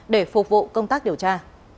để phục vụ công tác điều tra